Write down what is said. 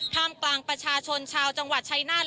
กลางประชาชนชาวจังหวัดชายนาฏ